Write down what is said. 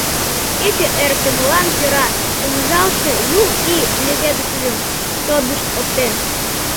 Кече ырыктымылан кӧра помыжалтше Юл ий леведышыжым тодышт оптен.